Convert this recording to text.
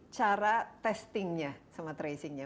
cara testingnya sama tracingnya